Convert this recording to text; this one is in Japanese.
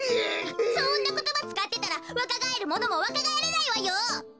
そんなことばつかってたらわかがえるものもわかがえらないわよ！